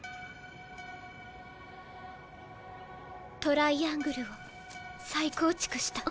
トライアングルを再構築した。